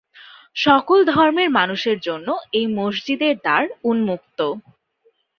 সকল ধর্মের মানুষের জন্য এই মসজিদের দ্বার উন্মুক্ত।